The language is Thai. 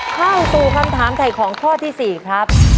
เข้าสู่คำถามถ่ายของข้อที่๔ครับ